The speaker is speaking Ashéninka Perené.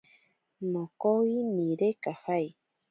Nokowi nire kajae.